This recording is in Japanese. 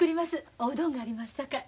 おうどんがありますさかい。